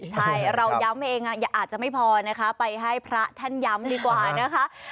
ใช่เราย้ำเองอาจจะไม่พอนะคะไปให้พระท่านย้ำดีกว่านะคะ